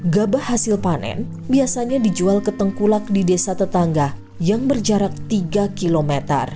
gabah hasil panen biasanya dijual ke tengkulak di desa tetangga yang berjarak tiga km